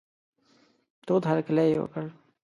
تود هرکلی یې وکړ.